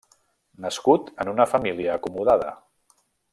Nascut en una família acomodada.